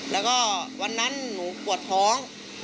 แล้วก็วันนั้นหนูปวดท้อง